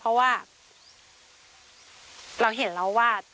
เพราะว่าเราเห็นแล้วว่า